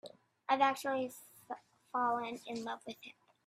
I've actually fallen in love with him.